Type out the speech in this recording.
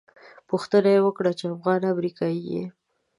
پوښتنه یې وکړه چې افغان امریکایي یې.